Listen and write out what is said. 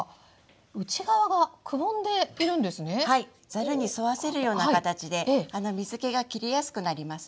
ざるに沿わせるような形で水けが切りやすくなりますね。